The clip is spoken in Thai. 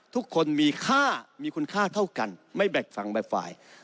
ทุกคนมีค่ามีคุณค่าเท่ากันไม่แบ่งฝั่งแบบฝ่าย